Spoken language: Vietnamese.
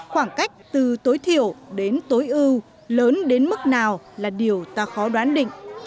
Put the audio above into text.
khoảng cách từ tối thiểu đến tối ưu lớn đến mức nào là điều ta khó đoán định